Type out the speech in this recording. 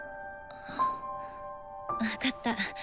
分かった。